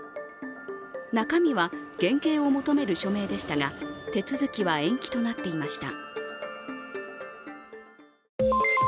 中身は減軽を求める署名でしたが手続きは延期となっていました。